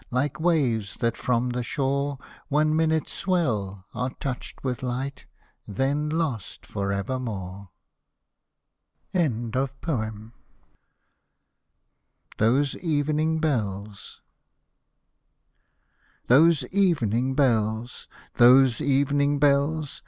Like waves that from the shore One minute swell, are touched with light. Then lost for evermore ! Hosted by Google THOSE EVENING BELLS 51 THOSE EVENING BELLS Those evening bells I those evening bells